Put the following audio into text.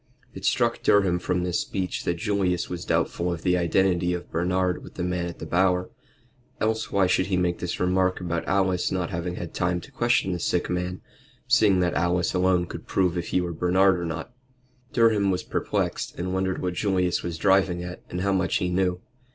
It struck Durham from this speech that Julius was doubtful of the identity of Bernard with the man at the Bower. Else why should he make this remark about Alice not having had time to question the sick man, seeing that Alice alone could prove if he were Bernard or not? Durham was perplexed, and wondered what Julius was driving at, and how much he knew.